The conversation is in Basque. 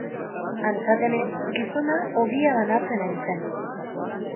Antza denez, gizona ogia banatzen ari zen.